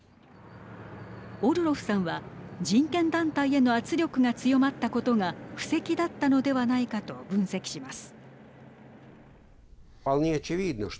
オルロフさんは人権団体への圧力が強まったことが布石だったのではないかと分析します。